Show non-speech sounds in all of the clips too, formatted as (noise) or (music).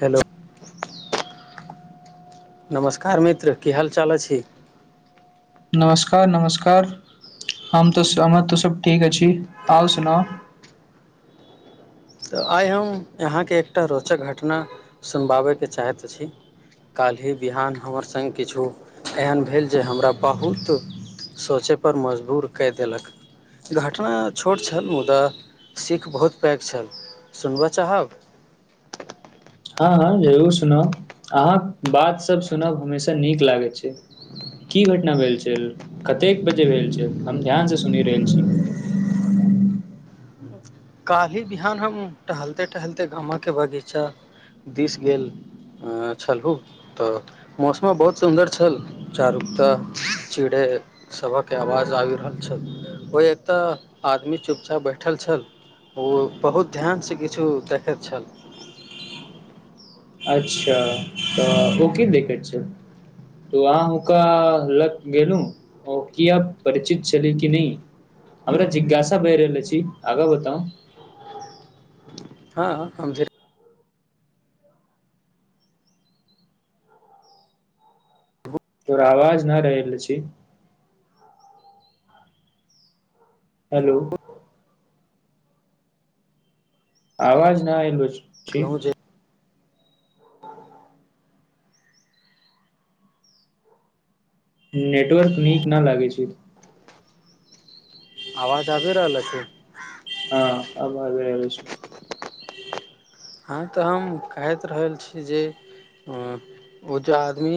Hello. (unintelligible) नमस्कार मित्र की हाल चाल अछि। नमस्कार नमस्कार हम तऽ हमर तऽ सब ठीक अछि आउ सुनाउ। तऽ आइ हम अहाँके एकटा रोचक घटना सुनवाबयके चाहैत अछी। काल्हि बिहान हमर सङ्ग किछो एहन भेल जे हमरा बहुत। सोचय पर मजबूर कऽ देलक। घटना छोट छल मुदा सीख बहुत पैघ छल। सुनबऽ चाहब। हँ हँ जरूर सुनब अहाँ बातसभ सुनब हमेशा नीक लागैत छै। की घटना भेल छल कतेक बजे भेल छल हम ध्यान से सुनि रहल छी। काल्हिी बिहान हम टहलते टहलते गामा के बगीचा दिस गेल। अ छलहू तऽ मौसमो बहुत सुन्दर छल चारुक तऽ चिड़ै। सभक आवाज आबि रहल छल ओहि एक तऽ आदमी चुपचाप बैठल छल। ओ बहुत ध्यानसँ किछु देखैत छल। अच्छा तऽ ओ की देखैत छल तो अहाँ हुनका लऽ गेलू। ओ किया परिचित छले कि नहि। हमरा जिज्ञासा बहि रहल अछि आगाँ बताउ। हँ। हम फेर तोहर आवाज नहि रहल अछी। हेलो। आवाज नहि आयल अछि देखलहुँ जे। नेटवर्क नीक नऽ लागे छै। आवाज आबि रहल अछि हँ आवाज ऐल छो हँ तऽ हम कहैत रहल छी जे ओ जे आदमी।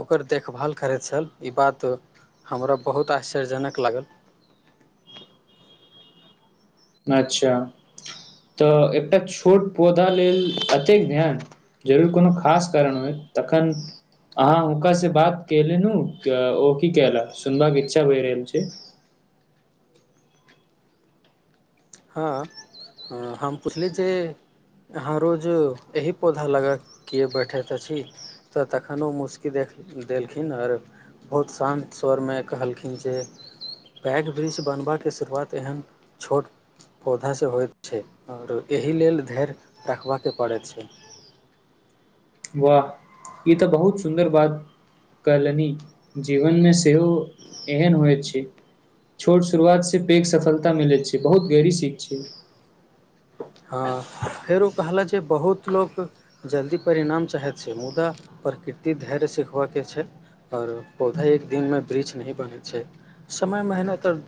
ओकर देखभाल करैत छल ई बात। हमरा बहुत आश्चर्यजनक लागल। अच्छा तऽ एकटा छोट पौधा लेल एतेक ध्यान। जरूर कोनो खास कारण होए तखन। अहाँ हुनका सऽ बात कले नु ओ की कल सुनबाका के इच्छा भहि रहल छैय। हँ हम पुछली जे हऽ रोज एहि पौधा लगा केँ किया बैठैत अछि। तऽ तखनो उऽ मुशकी देख देलखिन आर। बहुत शान्त स्वर में कहलखिन जे। बैट ब्रिज बनबबा केँ शुरुआत एहन छोट पौधा स होइत छै और एहि लेल धैर्य रखबा केँ पड़ै छैय। वाह ई तऽ बहुत सुन्दर बात कहलनी जीवन में सेहो एहन होइ छैय। छोट शुरुआत से पैघ सफलता मिलैत छै बहुत गहरी सीख छैय। हँ फेर ओ कहला जे बहुत लोक जल्दी परिणाम चाहैत छैय मुदा प्रकृति धैर्य सिखबा केँ छैय। औरो पौधा एक दिन में वृक्ष नहीं बनै छै समय मेहनत और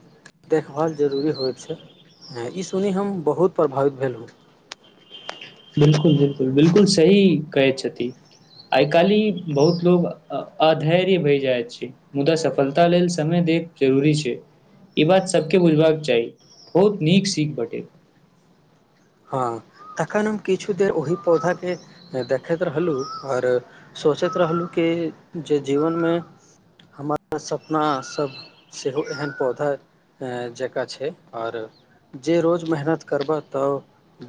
देखभाल जरूरी होइ छैय ई सुनी हम बहुत प्रभावित भेलहुँ बिल्कुल बिल्कुल बिल्कुल सही कहै छथि। आइ काल्हि बहुत लोक अधैर्य भै जाइ अछी मुदा सफलता लेल समय देब जरूरी छै। ई बात सब केँ बुझबाक चाही बहुत नीक सीख भेटे हँ तखन हम किछु देर ओहि पौधा केँ देखैत रहलूँ और सोचैत रहलुँ कि जे जीवन में हमर सपना सब सेहो एहन पौधा जकाँ छै और जे रोज मेहनत करबा तऽ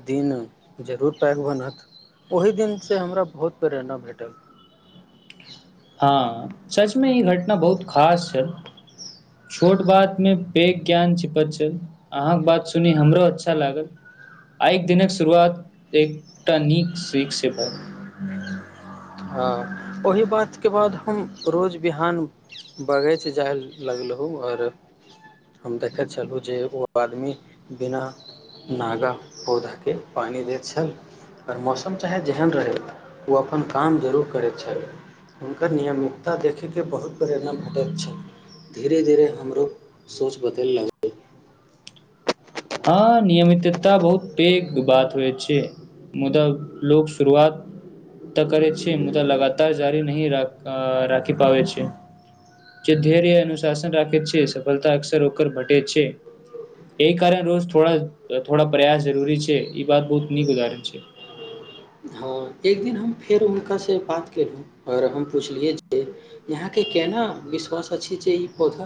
दिन जरूर पैघ बनत ओहि दिन से हमरा बहुत प्रेरणा भेटल हँ सच में ई घटना बहुत खास छैल। छोट बात में पेघ ज्ञान छिपल छल अहाँ कऽ बात सुनी हमरो अच्छा लागल आइ दिन कऽ शुरुआत एकटा नीक शीख सऽ भेल हऽ ओहि बात केँ बाद हम रोज बिहान बगैच जाय लगलहु और हम देखै छलहुँ जे ओ आदमी बिना नागा पौधा केँ पानी दै छल कर मौसम चाहे जेहन रहै ओ अपन काम जरूर करैत छल हुनकर नियमितता देखी केँ बहुत प्रेरणा भेटैत छल धीरे धीरे हमरो सोच बदेल लग हँ नियमितता बहुत पैघ बात होइ छै। मुदा लोक शुरुआत तऽ करे छै मुदा लगातार जारी नही राख राखि पाबे छैय। जे धैर्य अनुशासन रखे छै सफलता अकसर ओकर भेटे छै। एहि कारण रोज थोड़ा थोड़ा प्रयास जरूरी छै ई बात बहुत नीक उदरण छै। हँ एक दिन हम फेर हुनका स बात केलहुँ और हम पुछलियै जे यहाँ केँ केना विश्वास अछि जे ई पौधा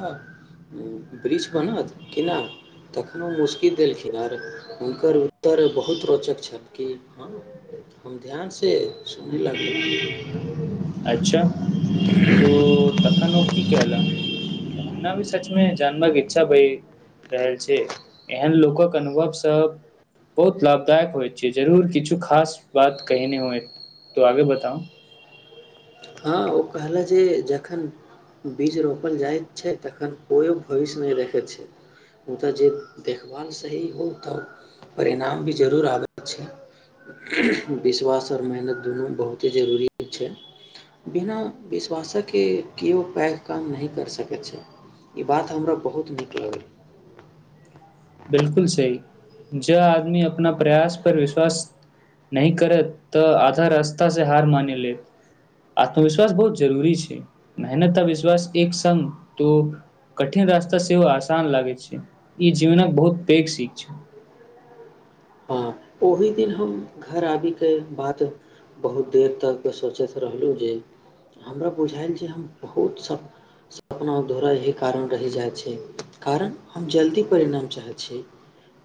उऽ वृक्ष बनत कि ना तखनो मुसकी देलखिन आर हुनकर उत्तर बहुत रोचक छल कि हऽ हम ध्यानसँ सु (unintelligible) अच्छा (inaudible) तो तखन ओ की केहला हमना भी सच में जानबा केँ इच्छा भै रहल छै एहन लोकक अनुभव सब बहुत लाभदायक होइ छै जरूर किछु खास बात कहने हुए तऽ आगे बताउ हँ ओ कहला जे जखन बीज रोपल जाइत छै तखन कोई भविष्य नहि रखैत छै हुनकर जे देखभाल सही हो तऽ परिणाम भी जरूर आबैत छैय। विश्वास आओर मेहनत दुनू बहुते जरूरी छैय बिना विश्वासकेके केओ पैघ काम नहि करि सकैत छैय। ई बात हमरा बहुत नीक लगल बिल्कुल सहि जे आदमी अपना प्रयास पर विश्वास नहि करत तऽ आधा रास्ता सऽ हार मान लेत आत्मविश्वास बहुत जरूरी छै मेहनत आ विश्वास एक संग तो कठिन रास्ता सेहो आसान लागैय छै ई जीवनक बहुत पैघ सीख छै हँ ओहि दिन हम घर आबि कऽ बात बहुत देर तक सोचैत रहलहुँ जे हमरा बुझायल जे हम बहुत सभ पना धोरा ई कारण रहि जाइ छै कारण हम जल्दी परिणाम चाहैत छी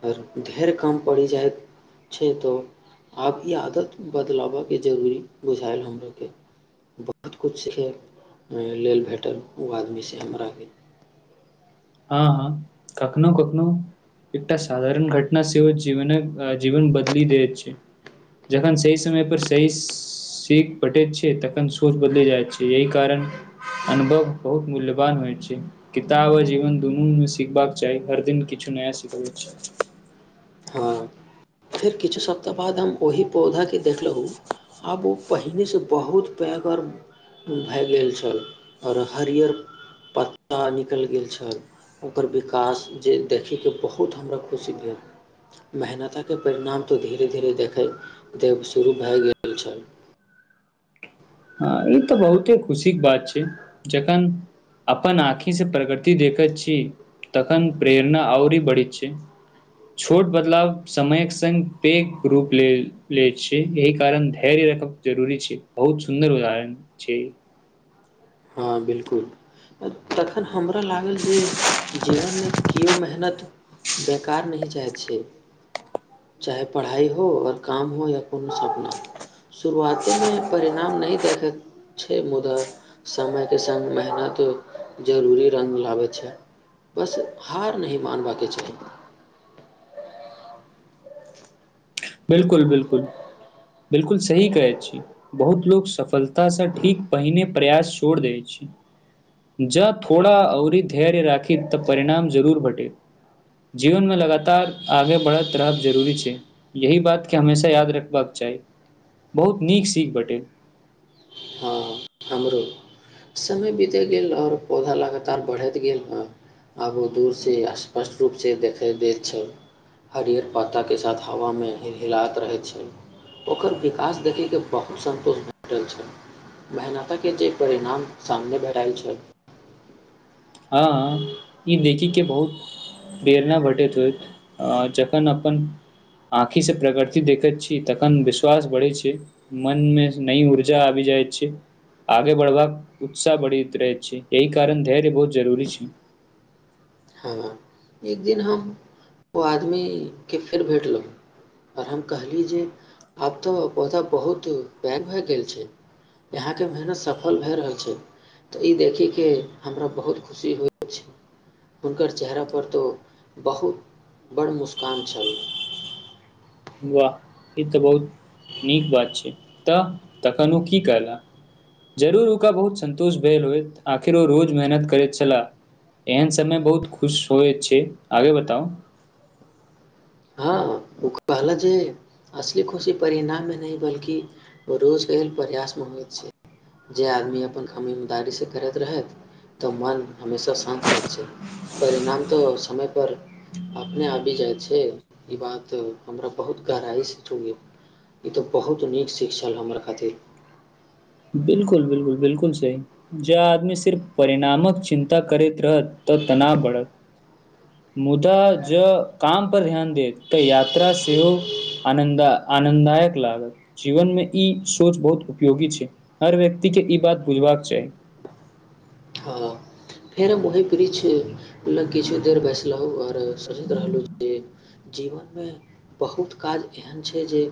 ओर धैर काम पड़ि जाय छै तऽ आब ई आदत बदलाबऽके जरूरी बुझायल हमरा के बहुत किछु सिखै लेल भेटल ओ आदमीसँ हमरा के हँ हँ कखनो कखनो एकटा साधारण घटना सेहो जीवनक अ जीवन बदली दे छै जखन सही समय पर सहीस सीख भेटे छै तखन सोच बदल जाइत छै यही कारण अनुभव बहुत मूल्यवान होइ छै किताब जीवन ज दुन्नु मे सिखबाक चाही हर दिन किछु नया सिखबै छै हँ फेर किछु सप्ताह बाद हम ओहि पौधाके देखलहुँ आब ओ पहिनेसँ बहुत पैघ और ओ भागि गेल छल ओर हरियर पत्ता निकलि गेल छल ओकर विकास जे देखैके बहुत हमर खुशी भेल मेहनतक के परिणाम तऽ धीरे धीरे देखे देत शुरू भए गेल छल हँ ई तऽ बहुते खुशीके बात छै जखन अपन आँखि सऽ प्रगति देखैत छी तखन प्रेरणा आओर ही बढ़ैत छै छोट बदलाव समयक संग पैघ रूप ले लै छै एहि कारण धैर्य जरूरी छै बहुत सुन्दर उदाहरण छै हँ बिल्कुल तखन हमरा लागल जे जीवनमे किओ मेहनत बेकार नहि जाइ छै चाहे पढ़ाई हो ओर काम हो या कोनो सपना शुरुआतेमे परिणाम नहि देखैत छै मुदा समय के संग मेहनत जरूरी रंग लाबे छै बस हार नहि मानबाके चाही बिल्कुल बिल्कुल बिल्कुल सही कहै छी बहुत लोक सफलतासँ ठीक पहिने प्रयास छोड़ दै छै जँ थोड़ा और धैर्य राखी तऽ परिणाम जरूर भेटे जीवनमे लगातार आगे बढ़ैत रहब जरूरी छै यही बातके हमेशा याद रखबाक चाही बहुत नीक सीख भेटे हँ हमरो समय बितै गेल ओर पौधा लगातार बढ़ैत गेल हँ आबो दूर से स्पष्ट रूपसँ देखै दै छै हरियर पाताके साथ हवामे हिल हिलायैत रहैत छै ओकर विकास देखयके बहुत सन्तोश भेटल छै मेहनता के जे परिणाम सामने भेठाइल छल हँ ई देखिक के बहुत प्रेरना भटैत होयत जखन अपन आँखि से प्रगृति देखैत छी तखन विश्वास बढ़ै छै मनमे नई ऊर्जा आबि जाइ छै आगे बढ़बाक उत्साह बढ़ैत रह छै एहि कारण धैर्य बहुत जरूरी छै हँ एक दिन हम ओ आदमीके फेर भेटलो ओर हम कहली जे आब तो पौधा बहुत पैग भए गेल छै यहाँके मेहनत सफल भाय रहल छै तऽ ई देखीयके हमरा बहुत खुशी होइत अछि हुनकर चेहरा पर तऽ बहुत बड़ मुस्कान छल वाह ई तऽ बहुत नीक बात छै तऽ तखन ओ की कहला जरूर हुनका बहुत सन्तोष भेल होइत आखिर ओ रोज मेहनत करैत छलाह एहन समय बहुत खुश होइत छै आगे बताउ हँँ ओ कहलक जे असली खुशी परिणाममे नहि बल्कि रोजके लेल प्रयासमे होइत छै जे आदमी अपन कामी इमनदारीसँ करैत रहत तऽ मन हमेशा शान्त रहैत छै परिणाम तऽ समय पर अपने आबि जाइ छै ई बात तऽ हमरा बहुत गहराइसँ चुनयो ई तऽ बहुत नीक शीख छल हमर खातिर बिल्कुल बिल्कुल बिल्कुल सही जे आदमी सिर्फ परिणामक चिन्ता करैत रहत तऽ तनाव बढ़त मुदा जँ काम पर ध्यान दे तऽ यात्रा सेहो आनन्द आनन्ददायक लागत जीवन मे ई सोच बहुत उपयोगी छै हर व्यक्ति के ई बात बुझबाक चाही हँ फेर हम ओही वृक्ष लग किछ देर बैसलहुँ ओर सोचैत रहलहुँ जे जीवनमे बहुत काज एहन छै जे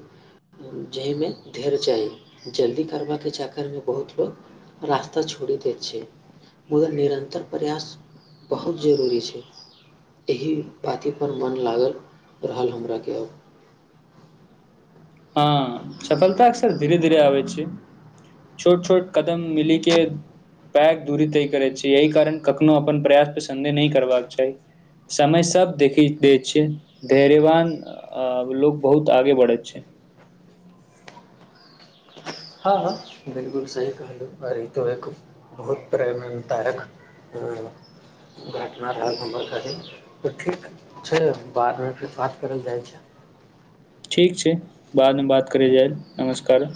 जाहिमे धैर्य चाही जल्दी करबाके चकरमे बहुत लोक रास्ता छोड़ी दे छै मुदा निर अतर प्रयास बहुत जरूरी छै एहि बाती पर मन लागल रहल हमराके अब हँ सफलता अक्सर धीरे धीरे आबै छै छोट छोट कदम मिली के पैघ दूरी तय करैत छै यही कारण कखनो अपन प्रयास पे सन्देह नहि करबाक चाही समय सब देखि दै छै धैर्यवान आब लोग बहुत आगे बढ़ैत छै हँ बिल्कुल सही कहलू आओर ई तऽ एक बहुत प्रेम तारक हँ घटना रहल हमर अभी तऽ ठीक छै बादमे फेर बात करल जाइ छी ठीक छै बादमे बात करै जाइब नमस्कार